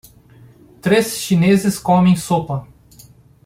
três chineses comem sopa.